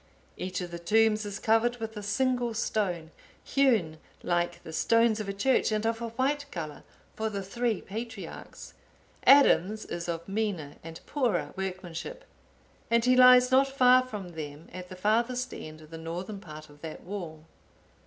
Each of the tombs is covered with a single stone, hewn like the stones of a church, and of a white colour, for the three patriarchs. Adam's is of meaner and poorer workmanship, and he lies not far from them at the farthest end of the northern part of that wall.